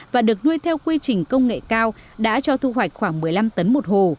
và được nuôi theo quy trình công nghệ cao đã cho thu hoạch khoảng một mươi năm tấn một hồ